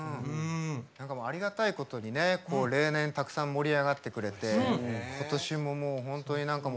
何かもうありがたいことにね例年たくさん盛り上がってくれて今年ももう本当に何か盛り上がって。